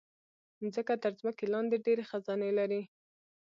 مځکه تر ځمکې لاندې ډېر خزانے لري.